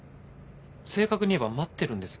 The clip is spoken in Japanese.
正確に言えば待ってるんです。